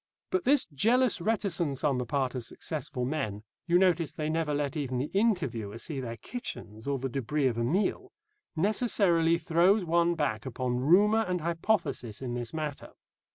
But this jealous reticence on the part of successful men you notice they never let even the interviewer see their kitchens or the débris of a meal necessarily throws one back upon rumour and hypothesis in this matter.